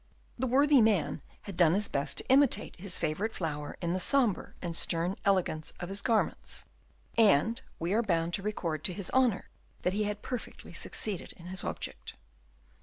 The worthy man had done his best to imitate his favourite flower in the sombre and stern elegance of his garments; and we are bound to record, to his honour, that he had perfectly succeeded in his object.